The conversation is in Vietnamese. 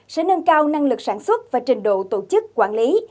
sẽ nâng cao năng lực sản xuất và trình độ tổ chức quản lý